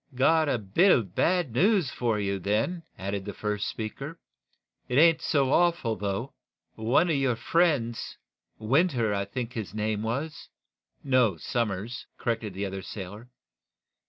"Got a bit of bad news for you, then," added the first speaker. "It ain't so awful bad, though. One of your friends Winter, I think his name was " "No; Somers," corrected the other sailor.